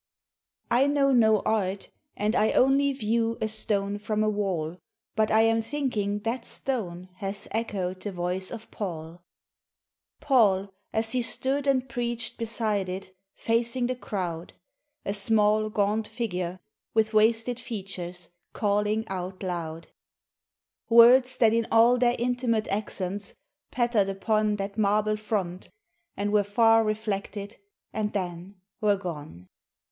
—"I know no art, and I only view A stone from a wall, But I am thinking that stone has echoed The voice of Paul, "Paul as he stood and preached beside it Facing the crowd, A small gaunt figure with wasted features, Calling out loud "Words that in all their intimate accents Pattered upon That marble front, and were far reflected, And then were gone.